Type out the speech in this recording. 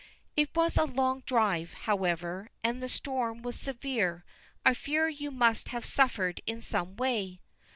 "It was a long drive, however. And the storm was severe. I fear you must have suffered in some way."